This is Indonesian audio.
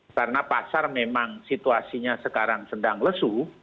karena pasar memang situasinya sekarang sedang lesu